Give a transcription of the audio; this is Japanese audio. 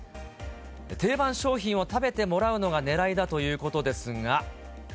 定番商品を食べてもらうのがねらいだということですが。